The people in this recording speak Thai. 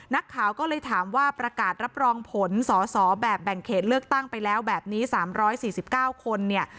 นักข่าวก็เลยถามว่าประกาศรับรองผลสอสอแบบแบ่งเขตเลือกตั้งไปแล้วแบบนี้๓๔๙คนเนี่ย